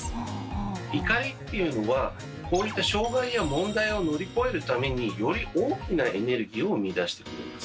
怒りっていうのはこういった障害や問題を乗り越えるためにより大きなエネルギーを生み出してくれます。